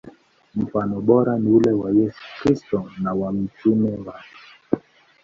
Mfano bora ni ule wa Yesu Kristo na wa mitume wake.